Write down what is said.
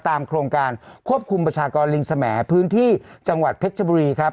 โครงการควบคุมประชากรลิงสมพื้นที่จังหวัดเพชรชบุรีครับ